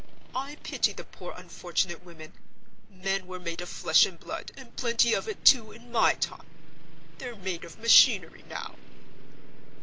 I pity the poor unfortunate women. Men were made of flesh and blood, and plenty of it, too, in my time. They're made of machinery now."